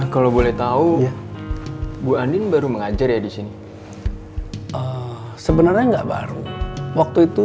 kalau boleh tahu bu andin baru mengajar ya di sini sebenarnya enggak baru waktu itu